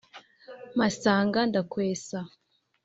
mpasanga ndakwesa.